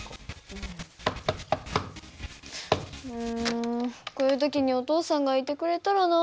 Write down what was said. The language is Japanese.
うんこういう時にお父さんがいてくれたらな。